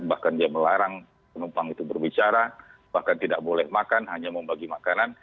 bahkan dia melarang penumpang itu berbicara bahkan tidak boleh makan hanya membagi makanan